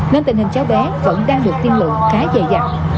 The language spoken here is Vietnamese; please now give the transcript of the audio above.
nên tình hình cháu bé vẫn đang được tiên lượng khá dày dặn